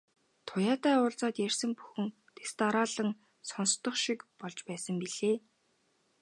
Туяатай уулзаад ярьсан бүхэн дэс дараалан сонстох шиг болж байсан билээ.